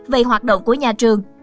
về hoạt động của nhà trường